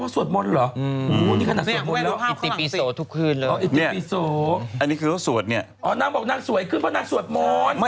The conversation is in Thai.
ผมคิด๑ชักจากมา